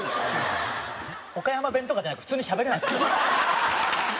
岡山弁とかじゃなくて普通にしゃべれない！